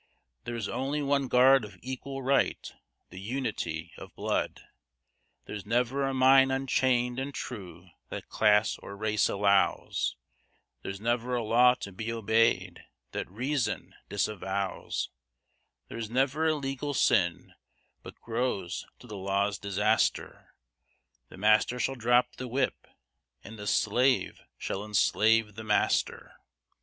There is only one guard of equal right: the unity of blood; There is never a mind unchained and true that class or race allows; There is never a law to be obeyed that reason disavows; There is never a legal sin but grows to the law's disaster, The master shall drop the whip, and the slave shall enslave the master!